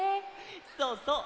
そうそう！